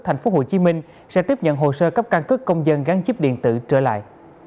thành phố hồ chí minh sẽ tiếp nhận hồ sơ cấp căn cứ công dân gắn chip điện tử trở lại